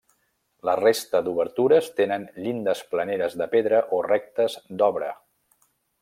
La resta d'obertures tenen llindes planeres de pedra o rectes d'obra.